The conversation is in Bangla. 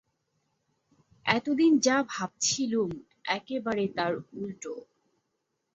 এতদিন যা ভাবছিলুম একেবারে তার উলটো।